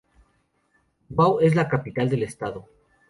Wau es la capital del estado.